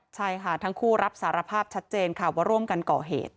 ใช่ค่ะทั้งคู่รับสารภาพชัดเจนค่ะว่าร่วมกันก่อเหตุ